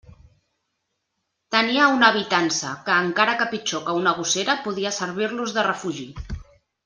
Tenia una habitança que, encara que pitjor que una gossera, podia servir-los de refugi.